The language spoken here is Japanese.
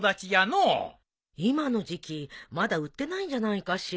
今の時季まだ売ってないんじゃないかしら。